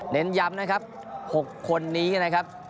เน้นย้ำนะครับ๖คนนี้นะครับ